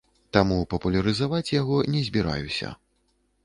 Таму папулярызаваць яго не збіраюся.